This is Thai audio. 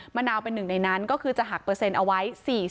มะนาวเป็นหนึ่งในนั้นก็คือจะหักเปอร์เซ็นต์เอาไว้๔๐